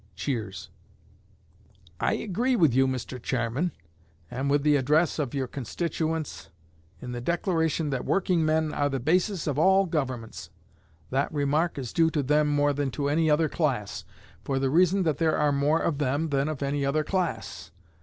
[Cheers.] I agree with you, Mr. Chairman, and with the address of your constituents, in the declaration that workingmen are the basis of all governments. That remark is due to them more than to any other class, for the reason that there are more of them than of any other class.